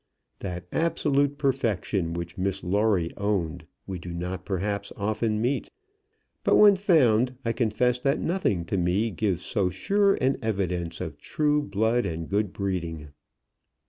That absolute perfection which Miss Lawrie owned, we do not, perhaps, often meet. But when found, I confess that nothing to me gives so sure an evidence of true blood and good breeding.